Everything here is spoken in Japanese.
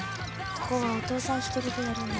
ここはお父さん１人でやるんだ。